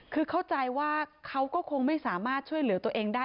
คือเข้าใจว่าเขาก็คงไม่สามารถช่วยเหลือตัวเองได้